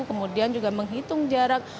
kemudian juga menghitung jarak